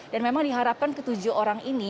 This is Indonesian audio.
dan memang diharapkan ke tujuh orang ini